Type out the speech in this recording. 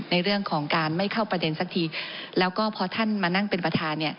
ในเรื่องของการไม่เข้าประเด็นสักทีแล้วก็พอท่านมานั่งเป็นประธานเนี่ย